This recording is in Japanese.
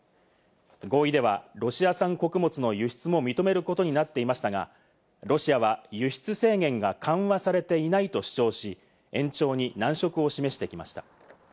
合意ではロシア産穀物の輸出も認めることになっていましたが、ロシアは輸出制限が緩和されていないと主張し、延長に難色を示してきました。